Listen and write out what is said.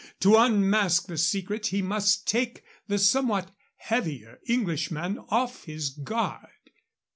To unmask the secret, he must take the somewhat heavier Englishman off his guard.